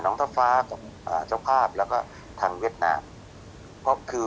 เท่าฟ้าของอ่าเจ้าภาพแล้วก็ทางเวียดนามเพราะคือ